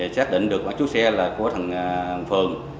xác định được mặt chú xe là của thằng phường